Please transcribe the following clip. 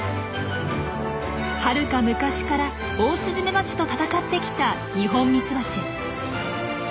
はるか昔からオオスズメバチと戦ってきた二ホンミツバチ。